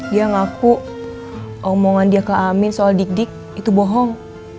dia ngaku omongan dia ke amin soal dik dik itu bohong